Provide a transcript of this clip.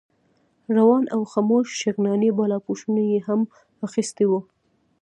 روان او خموش شغناني بالاپوشونه یې هم اخیستي وو.